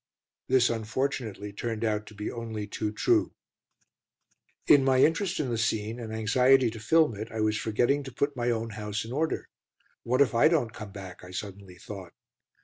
This, unfortunately, turned out to be only too true. In my interest in the scene and anxiety to film it, I was forgetting to put my own house in order. "What if I don't come back?" I suddenly thought.